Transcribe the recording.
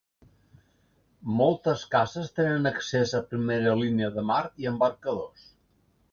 Moltes cases tenen accés a primera línia de mar i embarcadors.